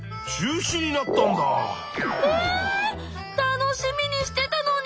楽しみにしてたのに！